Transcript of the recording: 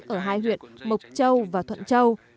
ở hai huyện mộc châu và thuận châu